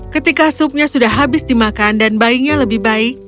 ketika supnya sudah habis dimakan dan bayinya lebih baik